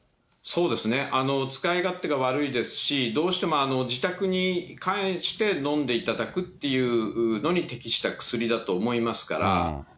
そうですね、使い勝手が悪いですし、どうしても自宅に帰して飲んでいただくというのに適した薬だと思いますから。